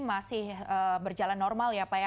masih berjalan normal ya pak ya